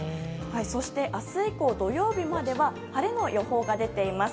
そして明日以降、土曜日までは晴れの予報が出ています。